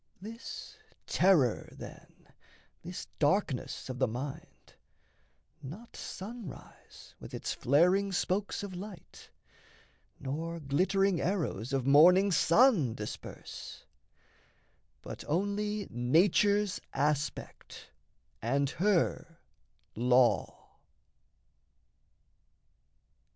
This terror, then, this darkness of the mind, Not sunrise with its flaring spokes of light, Nor glittering arrows of morning sun disperse, But only nature's aspect and her law.